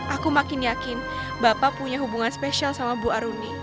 aku makin yakin bapak punya hubungan spesial sama bu aruni